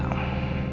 tidak ada masalah